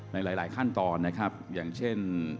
ในหลายขั้นตอนนะครับอย่างเช่น